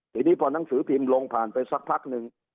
ทีนี้พอหนังสือพิมพ์ลงผ่านไปสักพักนึง